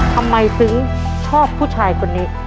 ทำไมซึ้งชอบผู้ชายคนนี้